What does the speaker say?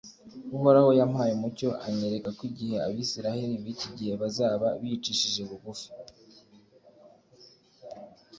uhoraho yampaye umucyo anyereka ko igihe abisiraheli b'iki gihe bazaba bicishije bugufi